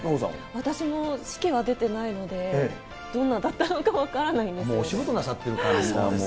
私も式は出てないので、どんなだったのか分からないんでもうお仕事なさってるから、みんなはもう。